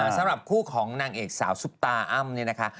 สำหรับคู่ของหนังเอกสาวซุปตาอ้ำ